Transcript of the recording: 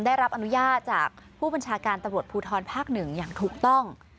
ได้รับอนุญาตจากผู้บัญชาการตำรวจภูทรภาค๑อย่างถูกต้อง